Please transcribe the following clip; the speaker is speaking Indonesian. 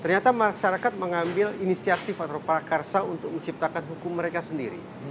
ternyata masyarakat mengambil inisiatif atau prakarsa untuk menciptakan hukum mereka sendiri